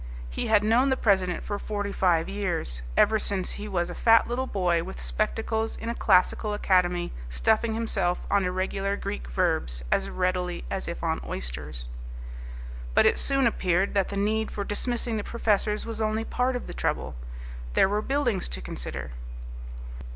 He had known the president for forty five years, ever since he was a fat little boy with spectacles in a classical academy, stuffing himself on irregular Greek verbs as readily as if on oysters. But it soon appeared that the need for dismissing the professors was only part of the trouble. There were the buildings to consider.